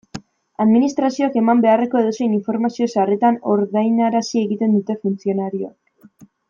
Administrazioak eman beharreko edozein informazio sarritan ordainarazi egiten dute funtzionarioek.